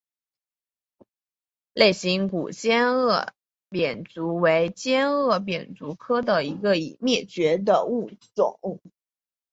似形古尖腭扁虫为尖腭扁虫科中一个已灭绝的物种。